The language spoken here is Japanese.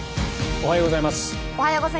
おはようございます。